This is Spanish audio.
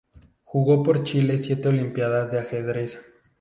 Jugó por Chile siete Olimpíadas de ajedrez.